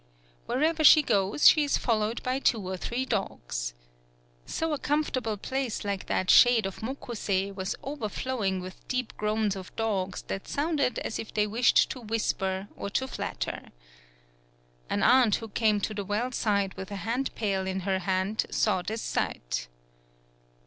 Wherever she goes, she is followed by two or three dogs. So a comfortable place like that shade of Mokusei was overflowing with deep groans of dogs that sounded as if they wished to whisper or to flatter. An aunt who came to the well side with a hand pail in her hand, saw this sight.